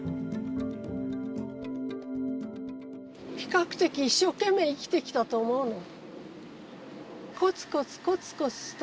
比較的一生懸命生きてきたと思うの。